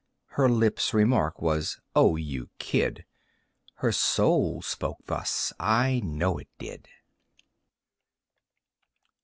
Her lips' remark was: "Oh, you kid!" Her soul spoke thus (I know it did).